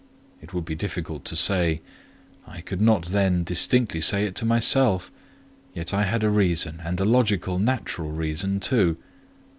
It would be difficult to say: I could not then distinctly say it to myself; yet I had a reason, and a logical, natural reason too.